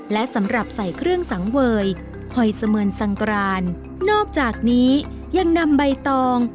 และสำหรับใส่เครื่องสังเวยหอยเสมือนสังกรานนอกจากนี้ยังนำใบตอง